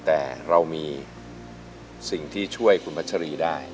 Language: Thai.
แต่เรามีสิ่งที่ช่วยคุณพัชรีได้